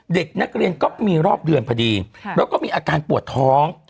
เด็กนักเรียนก็มีรอบเดือนพอดีแล้วก็มีอาการปวดท้อง